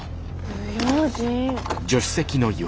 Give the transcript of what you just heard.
不用心。